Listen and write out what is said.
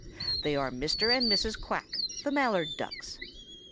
They are Mr. and Mrs. Quack, the Mallard Ducks.